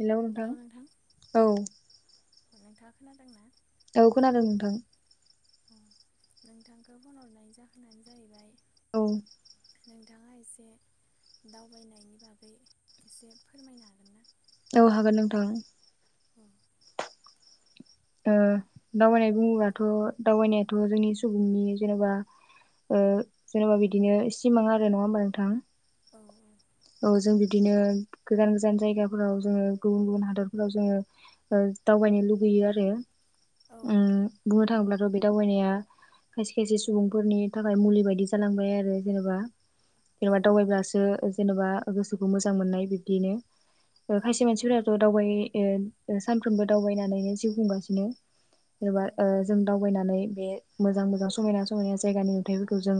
हेल' नोंथां औ नोंथाङा खोनादों ना? औ खोनादों नोंथां। अ नोंथांखौ फन हरनाय जाहोनानो जाहैबाय औ नोंथाङा एसे दावबायनायनि बागै एसे फोरमायनो हागोन ना? औ हागोन नोंथां। ओ दावबाय नाय बुङोबथ' दावबायनायाथ' जोंनि सुबुंनि जेनेबा ओ जेन'बा बिदिनो सिमां आरो नङा होमबा नोंथां औ औ जों बिदिनो गोजान गोजान जायगाफोराव जोङो गुबुन गुबुन हादरफोराव जोङो ओ दावबायनो लुुबैयो आरो औ उम बुंनो थाङोब्लाथ' बे दावबायनाया खायसे खायसे सुबुंफोरनि थाखाय मुलि बायदि जालांबाय आरो जेनेबा औ जेनेबा नंगौ दावबायब्लासो जेन'बा गोसोखौ मोजां मोननाय बिब्दियनो। औ खायसे नंगौ मानसिफोराथ' दावबाय ओ सानफ्रोमबो दावबायनानैनो जिउ खुंगासिनो औ जेनेबा ओ नंगौ जों दावबायनानै बे मोजां मोजां समायना समायना जायगानि नुथाइफोरखौ जों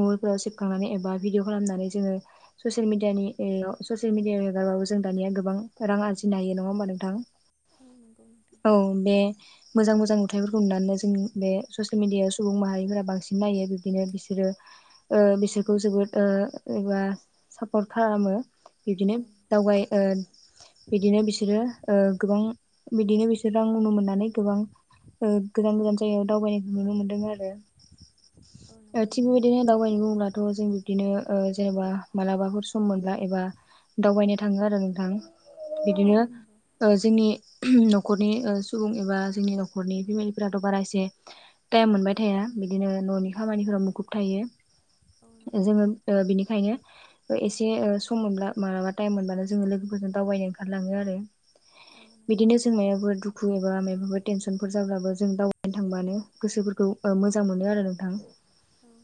मबाइलफोराव सेबखांनानै एबा भिदििअ खालामनानै जोङो ससियेल मिडियानि एव ससियेल मिडिया एगारबाबो जों दानिया गोबां रां आरजिनो हायो नङा होमबा नोंथां औ नंगौ नोंथां औ बे मोजां मोजां नुथथायफोरखौ नुनानै जों बे ससियेल मिेडियाायाव सुबुं माहारिफोरा बांसिन नायो बिब्दिनो बिसोरो ओ बिसोरखौ जोबोद ओ एबा सापर्ट खालामो बिब्दिनो औ नंगौ दावबायो ओ बिदिनो बिसोरो ओ गोबां बिदिनो बिसो रां नुनो मोननानै गोबां ओ औ गोजान गोजान जायगायाव दावबायनायखौ नुनो मोनदों आरो नंगौ ओ थिग नोंथां बेबायदिनो दावबायनो बुङोब्लाथ' जों बिबदिनो ओ जेनेबा मालाबाफोर सम मोनल्बा एबा दावबायनो थाङो आरो नोंथां औ बिदिनो नंगौ ओ जोंनि न'खरनि ओ सुबुं एबा जोंनि न'खरनि फेमिलिफोराथ' बारा एसे टाइम मोनबाय औ थाया बिदिनो न'नि खामानिफोरााव मुखुब थायो औ नंगौ जोङो ओ बिनिखायनो एसे सम मोनब्ला मालाबा टाइम मोनबानो जोङो लोगोफोरजों दावबायनो ओंखारलाङो आरो बिदिनो जों मायाबाफोर दुखु एबा मायाबाफोर टेनसनफोर जाब्लाबो जों दावबायनो थांबानो गोसोफोरखौ ओ मोजां मोनो आरो नोंथां औ नंगौ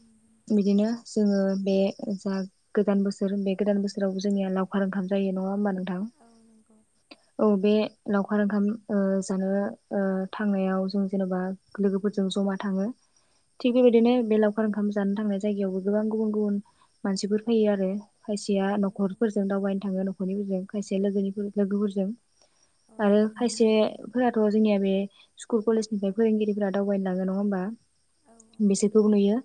बिदिनो जोङो बे जा गोदान बोसोर बे गोदान बोसोरावबो जोंनिया लावखार ओंखाम जायो नङा होमबा नोंथां औ बे लावखार ओंखाम ओ जानो ओ थांनायाव जों जेनबा लोगोफोरजों जमा थाङो थिग बेबायदिनो बे लावखार ओंखाम जानो थांनाय जायगायावबो गोबां गुबुन गुबुन मानसिफोर फैयो आरो खायसेया औ नंगौ न'खरफोरजों दावबायनो थाङो न'खरनिफोरजों खायसेया लोगोनि लोगोफोरजों औ आरो नंगौ नोंथां खायसेफोराथ' जोंनिया बे स्कुल कलेजनिफ्राय फोरोंगिरिफोरा दावबायनो लाांगोन नङा होमबा औ बिसोरखौबो नुयो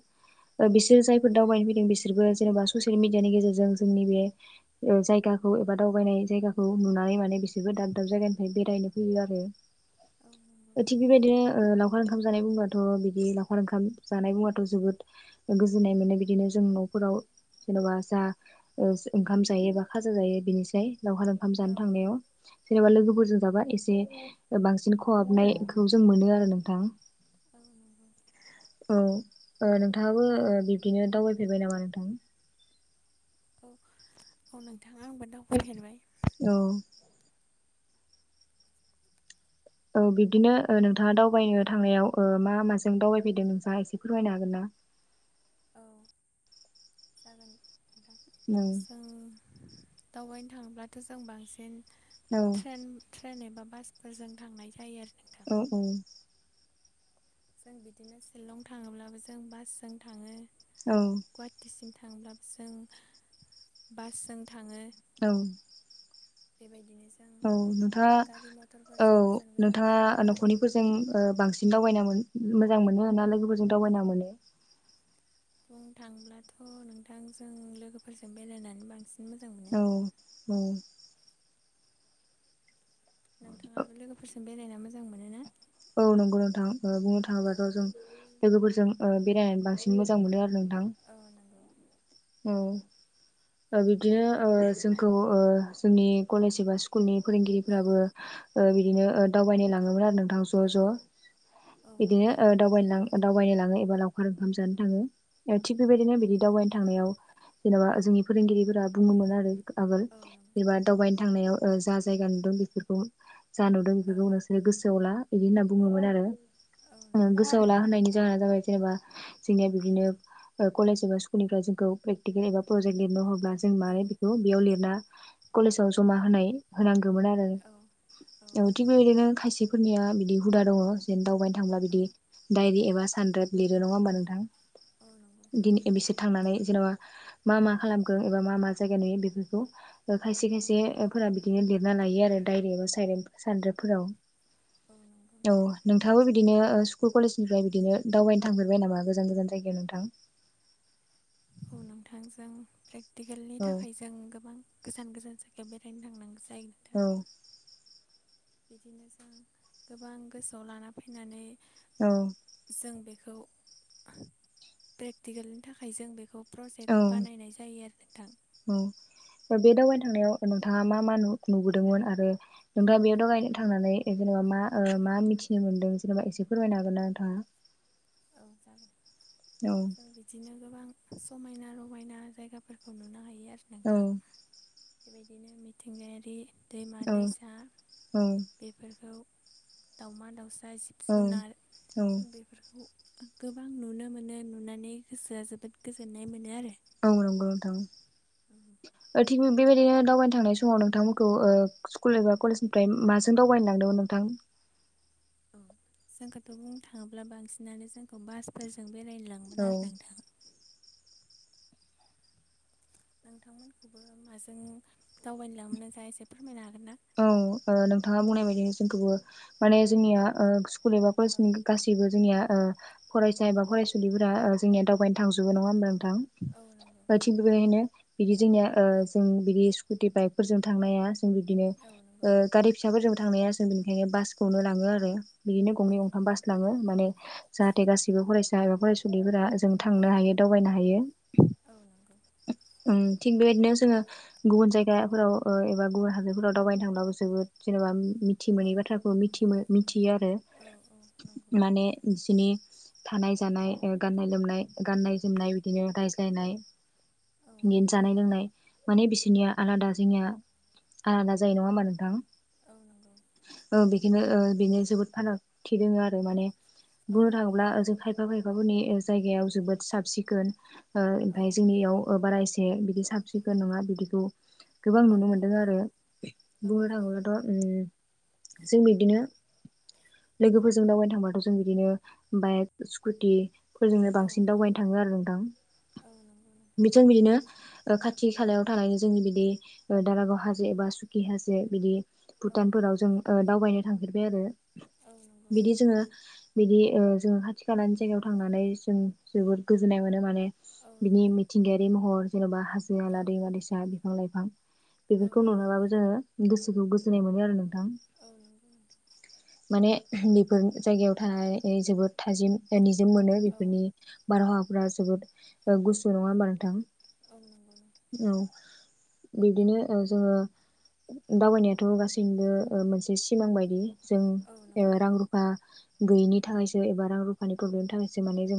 ओ बिसोर जायफोर दावबायनो फैदों बिसोरबो जेनबा ससियेल मिडियानि गेजेरजों जोंनि बे ओ जायगाखौ एबा दावबायनाय जायगाखौ नुनानै माने बिसोरबो दाब दाब जायगानिफ्राय बेरायनो फैयो आरो औ थिग बेबायदिनो ओ लावखार ओंखाम जानाय बुंबाथ' बिदि लावखार ओंखाम जानाय बुङाथ' जोबोद गोजोनो गुजुनाय मोनो बिदिनो जों न'फोराव जेन'बा जा ओंखाम जायो बा खाजा जायो बेनिसाय लावखार ओंखाम औ जानो थांनायाव जेनेबा लोगोफोरजों जाबा एसे बांसिन खहाबनायखौ जों मोनो आरो नोंथां औ औ ओ नोंथाङाबो ओ बिब्दिनो दावबायफेरबाय नामा नोंथां औ औ नोंथाङा आंबो दावबायफेरबाय औ औ बिब्दिनो ओ नोंथाङा दावबायनो थांनायाव ओ मा माजों दावबायफैदों नोंथाङा एसे फोरमायनो हागोन ना औ जागोन नोंथां औ जों दावबायनो थांब्लाथ' जों बांसिन औ ट्रेन ट्रेनजों बासफोरजों थांनाय जायो आरो नोंथां औ औ जों बिदिनो शिलं थाङोब्लाबो जों बासजों थाङो औ गुवाहाटिसिम थांब्लाबो जों बासजों थाङो औ बेबायदिनो जों औ गारि नोंथाङा औ मथरफोरजों गोजान गोजान नोंथाङा बेरायनो थांनाय न'खरनिफोरजों ओ बांसिन दावबायना मोजां मोनो ना लोगोफोरजों दावबायना मोनो बुंनो थांब्लाथ' नोंथांजों लोगोफोरजों बेरायनानै बांसिन मोजां मोनो औ औ नोंथाङाबो लोगोफोरजों बेरायना मोजां मोनो ना। औ नंगौ नोंथां बुंनो औ थाङोबाथ जों। लोगोफोरजों ओ बेरायनानै बांसिन मोजां मोनो आरो नों औ नंगौ औ ओ बिदिनो ओ जोंखौ ओ जोंनि कलेज एबा स्कुलनि औ फोरोंगिरिफ्राबो ओ बिदिनो ओ दावबायनाय लाङोमोन आरो नोंथां ज ज औ बिदिनो नंगौ ओ दावबायनो लाङो एबा लावखार ओंखाम जानो थाङो थिग बेबायदिनो औ बिदि दावबायनो थांनायाव जेनबा जोंनि फोरोंगिरि बुंङोमोन आरो आगोल आगोल नंगौ एबा बा दावबायनो थांनायाव जा जायगा नुदों बेफोरखौ जा नुदों औ बेफोरखौ नोंसोरो गोसोआव ला बिदि होनना बुङोमोन आरो औ नंगौ ओ नोंथां गोसोआव लाहोनायनि जाहोना जाबाय जेनेबा जोंनिया बिदिनो कलेज एबा स्कलनिफ्राय जोंखौ प्रेकटिकेल एबा प्रजेक्ट लिरनो हरब्ला जों औ माने बेखौ बेयाव लिरना कलेजाव जमा होनाय होनांगो ङोमोन औ औ आरो नंगौ थिग बेबायदिनो खायसेफोरनिया बिदि हुदा दङ जेन दावबाय थांब्ला औ बिदि डायरि एबा सानद्राइभ लिरो नङा होमबा नोंथां औ नंगौ दिन बिसोर थांनानै जेनबा मा मा खालामगोन एबा मा मा जायगा नुयो बेफोरखौ खायसे औ नंगौ नोंथां खायसे फोर बिदिनो लिरना लायो आरो डायरेक्टआव साय सान्द्रेबफोराव औ नोंथाङाबो बिदिनो ओ स्कुल कलेजनिफ्राय बिदिनो दावबायनो थांफेरबाय नामा गोजान गोजान जायगायाव नोंथां औ नोंथांजों प्रेक्टिकेलनि औ थाखाय जों गोबां गोजान गोजान जायगायाव बेरायनो थांनांगो औ बिदिनो जों गोबां गोसोआव लाना फैनानै औ औ प्रेक्टिकेलनि थाखाय जों बेखौ औ प्रजेक्ट बानायनाय जायो आरो नोंथां औ बे दावगबायनो थांनायाव नोंथाङा मा मा नुबोदोंमोन आरो नोंथाङा बेयाव दावगायनो थांनानै जेनेबा मा नोंथां मा मिथिनो मोनदों जेनेबा एसे फोरमायनो हागोन ना नोंथाङा [inaudible] जोन औ जों बिदिनो गोबां समायना रमायना जायगाफोरखौ नुनो हायो यो आरो औ नोंथां बेबायदिनो मिथिंगायारि दैमा औ दैसा बेफोरखौ दाउमा दाउसा जिब औ जुनार औ जों बेफोरखौ गोबां नुनो मोनो नुनानै गोसोआ जोबोद गोजोननाय मोनो आरो औ नंगौ नोंथां औ थिग बेबायदिनो दावबायनो थांनाय समाव नोंथांमोनखौ ओ स्कुल एबा कलेजनिफ्राय माजों दावबायनो लांदोंमोन नोंथां [unintelligible] औ जोंखौथ बुंनो थाङोब्ला बांसिनानो जोंखौ बासफोरजों बेरायनो औ लाङोमोन आरो नोंथां नोंथांमोनखौबो माजों दावबायनो लाङोन नोंथाङा एसे फोरमायनो हागोन ना औ ओ नोंथाङा बुंनाय बायदि जोंखौबो माने जोंनिया ओ स्कुल एबा औ कलेजनि गासैबो जोंनिया ओ फरायसा एबा फरायसुलिफोरा ओ जोंनिया दावबायनो थांजोबो नङा होनोमबा नों थां औ नंगौ दा थिग बेबायदिनो बिदि जोंनिया ओ जों बिदि स्कुटि बाइकफोरजों थांनाया जों बिदिनो ओ औ नंगौ गारि फिसाफोरजोंबो थांनाया जों बेनिखायनो बासखौनो लाङो आरो बिदिनो औ गंनै गंथाम नंगौ बास लाङो माने जाहाथे गासिबो फरायसा एबा फरायसुलिफोरा जों थांनो हायो दावबायनो हायो औ नंगौ ओम थिग बेबायदिनो जोङो गुबुन जायगाफोराव ओ एबा गुबुन हादोरफोराव दावबायनो थांब्लाबो जोबोद जेनेबा मिथि औ मोनैनि बाथ्राखौ मिथि मिथियो आरो औ औ नंगौ माने जिनि थानाय जानाय गाननाय लोमनाय गाननाय जोमनाय बिदिनो रायज्लायनाय औ बिनि नंगौ जानाय लोंनाय माने बिसोरनिया आलादा जोंनिया आलादा जायो नोङा होनबा नोंथां? औ नंगौ ओ बेनो ओ बेनो जोबोद फारागथि दोङो आरो माने औ बुंनो थाङोब्ला जोङो खायफा खाय फोरनि जायगायाव जोबोद साब सिखोन ओ औ ओमफ्राय जोंनियाव बारा बे बिदि साब सिखोन नंङा बिदिखौ गोबां नुनो औ मोन्दों आरो। नंगौ बुंनो थांङोब्लाथ' उम जों बिदिनो लोगोफोरजों दावबायनो थांबाथ' जों बिदिनो बाइक स्कुटि फोरजोंनो औ बांसिन दावबायनो थांङो आरो नोंथां औ नंगौ नोंथां जों बिदिनो खा खाथि खालायाव थानाय जोंनि बिदि ओ दारागाव हाजो एबा सुखि हाजो बिदि औ भुटानफोराव जों ओ दावबायनो थांफेरबाय आरो औ नंगौ बिदि जोङो बिदि ओ जोङो खाथि खालानि जायगायाव थांनानै जों जोबोर गोजोननाय मोनो माने औ बिनि नंगौ मिथिंगायारि महर जेन'बा हाजो औ हाला दैमा दैसा बिफां लाइफां बेफोर औ खौ नंगौ नुाबाबो जोङो गोसोखौ गोजोननाय मोनो आरो नोंथां औ नंगौ नोंथां माने बेफोर जायगायाव थानाय जोबोद थाजिम निजोम मोनो औ बेफोरनि बारहावा फ्रा जोबोद गुसु नंङा होमबा नोंथां? औ नंगौ नोंथां औ। बिब्दिनो ओ जोङो दावबायनायाथ' गासैबो ओ मोनसे सिमां बायदि। जों औ एबा नंगौ रां रुफा गैयिनि थाखायसो एबा रां रुफानि प्रब्लेमनि थाखायसो माने जों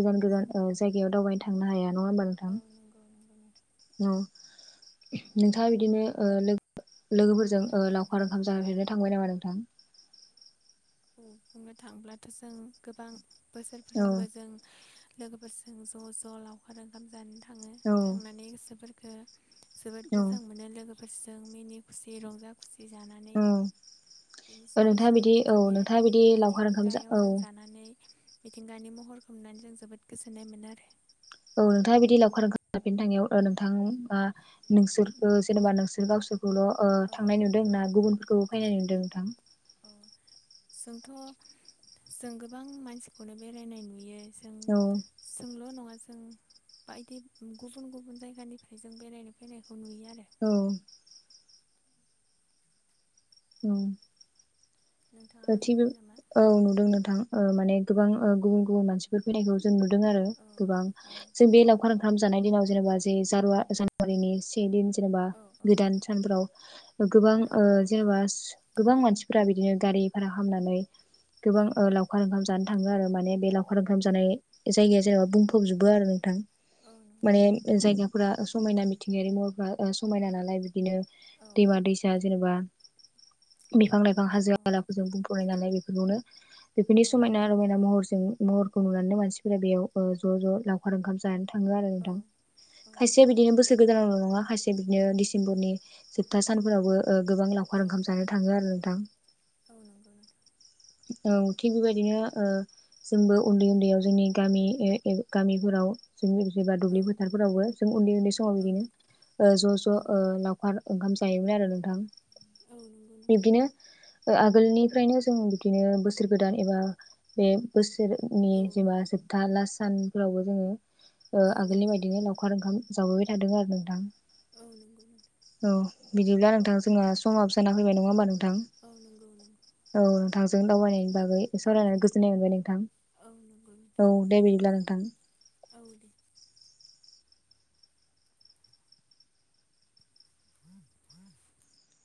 गोजान ओ औ गोजान जायगायाव दावबाय थांनो हाया नंङा होमबा नंगौ नंगौ नोंथां? औ। नोंथांङा बिदिनो लो लोगोफोरजों ओ लावखार ओंखाम जाफेरनो थांबाय नामा नोंथां? बुंनो थांब्लाथ' जों गोबां औ बोसोरफ्रोमबो जों लोगोफोरजों ज' ज' लावखार ओंखाम जानो थांङो औ थांनानै गोसोफोरखो जोबोद औ मोजां मोनो लोगोफोरजों मिनि खुसि रंजा खुसि जानानै औ बिनि ओ सायाव नोंथाङा जों बिदि औ नोंथाङा मिथिंगायारि बिदि लावखार ओंखाम जा मिथिंगायाव औ जों जानानै मिथिंगानि महरखौ नुनानै जों जोबोद गोजोननाय मोनो आरो। औ नोंथांङा बिदि लावखार ओंखाम जाफेरनो थांनायाव ओ नोंथां ओ नोंसोर ओ जेनेबा नोंसोर गावसोर ल' ओ औ थांनाय नुदों ना गुबुनफोरखौबो फैनाय नुदों नोंथां? औ जोंथ' जों गोबां मानसिखौनो बेरायनाय नुयो। जों औ जोंल' नंङा जों बायदि गुबुन गुबुन जायगानिफ्राय जों बेरायनो फैनाय औ। उम। ओ नोंथाङाबो थिग नुदों नामा औ नुदों नोंथां ओ माने औ गोबां ओ गुबुन गुबुन मानसिफोर फैनायखौ जों नु दों आरो औ गोबां औ जों बे लावखार ओंखाम जानाय दिनाव जेनेबा जे जारुवा जानुवारिनि से दिन जेनेबा औ गोदान सानफोराव गोबां ओ जेनेबा गोबां मानसिफोरा बिदिनो गारि भारा खामनानै औ गोबां ओ लावखार ओंखाम जानो थांङो आरो माने बे लावखार ओंखाम जानाय जायगाया जेनेबा बुंफबजोबो आरो नोंथां। औ माने नंगौ जायगाफोरा समायना मिथिंगायारि महरफ्रा ओ समायना नालाय बिदिनो औ दैमा दैसा जेनेबा बिफां लइफां औ हाजो हाला जों बुंफबनाय नालाय बेफोरखौनो बेफोरनि नंगौ समायना रमायना महरजों महरखौ नुनानै मानसिफोरा बेयाव ओ ज' ज' लावखार ओंखाम जानो थांङो आरो नोंथां खायसे बिदिनो नोंथां बोसोर गोदानावल' नंङा खायसे बिदिनो डिसेम्बरनि जोबथा सानफोरावबो ओ गोबां लावखार ओंखाम जानो थांङो आरो नोंथां। औ नंगौ नोंथां। औ थिग बेबायदिनो ओ जोंबो उन्दै उन्दैयाव जोंनि गामि ए एब गामिफोराव जोंनि जेनेबा दुब्लि फोथारफोरावबो जों उन्दै उन्दै समाव बिदिनो ज' ज' लावखार ओंखाम जायोमोन आरो नोंथां नोंथां बिब्दिनो आगोलनिफ्रायनो जों बिदिनो बोसोर गोदान एबा बे बोसोर नि जेनबा जोबथा लास सानफोरावबो जोङो आगोलनि बायदिनो लावखार ओंखाम जाबोबाय थादों आरो नोंथां औ नंगौ नोंथां औ नंगौ औ बिदिब्ला नोंथां जोंहा समा जाना फैबाय नङा होमबा नोंथां औ नोंथांजों दावबायनायनि बागै सरायनानै गोजोननाय मोनबाय नोंथां औ नंगौ नोंथां औ दे बिदिब्ला नोंथां औ दे ह ह [inaudible]